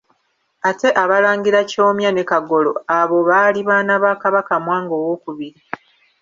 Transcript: Ate Abalangira Kyomya ne Kagolo abo baali baana ba Kabaka Mwanga II.